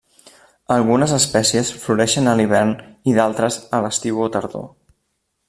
Algunes espècies floreixen a l'hivern i d'altres a l'estiu o tardor.